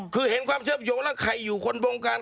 คือเห็นความเชื่อมโยงแล้วใครอยู่คนวงการ